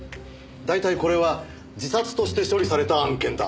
大体これは自殺として処理された案件だ。